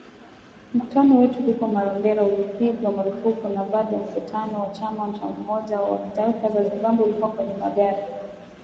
Mkutano wetu huko Marondera ulipigwa marufuku na bado mkutano wa Chama cha umoja wa kitaifa wa Zimbabwe ulikuwa kwenye magari.